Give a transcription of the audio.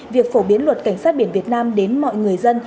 việc phổ biến luật cảnh sát biển việt nam đến mọi người dân